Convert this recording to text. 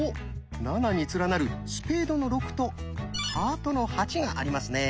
７に連なる「スペードの６」と「ハートの８」がありますね。